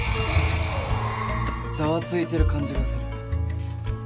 ざわついてる感じがする。